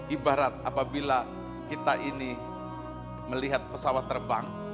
ibarat apabila kita ini melihat pesawat terbang